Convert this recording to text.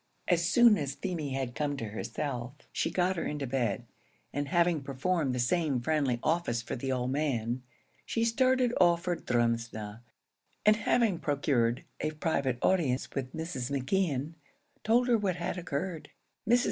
As soon as Feemy had come to herself, she got her into bed, and having performed the same friendly office for the old man, she started off for Drumsna; and having procured a private audience with Mrs. McKeon, told her what had occurred. Mrs.